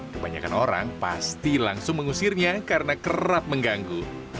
kebanyakan orang pasti langsung mengusirnya karena kerap mengganggu